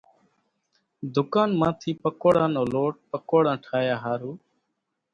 ڌُڪان مان ٿي پڪوڙان نو لوٽ پڪوڙان ٺاھيا ۿارُو